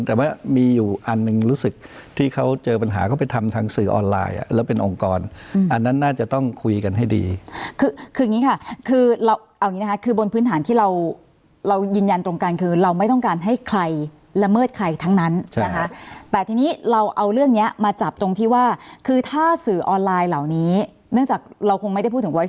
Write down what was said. แต่ว่ามีอยู่อันหนึ่งรู้สึกที่เขาเจอปัญหาเขาไปทำทางสื่อออนไลน์อ่ะแล้วเป็นองค์กรอันนั้นน่าจะต้องคุยกันให้ดีคือคืออย่างนี้ค่ะคือเราเอาอย่างนี้นะคะคือบนพื้นฐานที่เราเรายืนยันตรงกันคือเราไม่ต้องการให้ใครละเมิดใครทั้งนั้นนะคะแต่ทีนี้เราเอาเรื่องเนี้ยมาจับตรงที่ว่าคือถ้าสื่อออนไลน์เหล่านี้เนื่องจากเราคงไม่ได้พูดถึงไว้